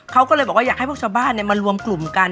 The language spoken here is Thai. เขาก็เลยบอกว่าอยากให้พวกชาวบ้านมารวมกลุ่มกัน